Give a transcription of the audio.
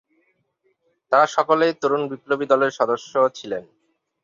তারা সকলেই তরুণ বিপ্লবী দলের সদস্য ছিলেন।